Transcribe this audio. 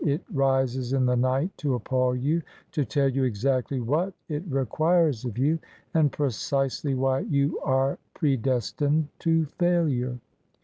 It rises in the night to appall you — ^to tell you exactly what it requires of you, and precisely why you are {)redestined to failure.